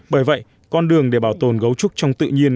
bởi vậy con đường để bảo tồn gấu trúc trong tự nhiên